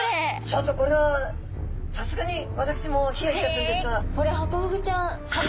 ちょっとこれはさすがに私もヒヤヒヤするんですが。